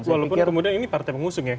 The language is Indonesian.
walaupun kemudian ini partai pengusung ya